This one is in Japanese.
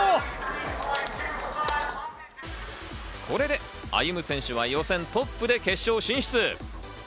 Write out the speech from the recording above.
これで歩夢選手は予選トップで決勝進出。